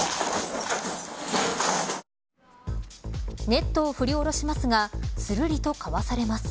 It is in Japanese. ネットを振り下ろしますがするりとかわされます。